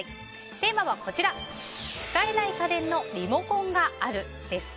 テーマは、使えない家電のリモコンがあるです。